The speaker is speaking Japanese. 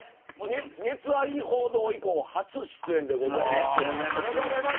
熱愛報道以降初出演でございます。